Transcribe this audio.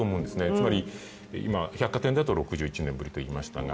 つまり、今、百貨店だと６１年ぶりだといいましたが